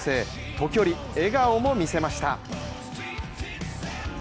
時折、笑顔も見せました。